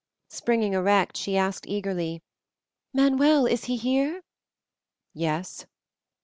Springing erect, she asked eagerly, "Manuel, is he here?" "Yes."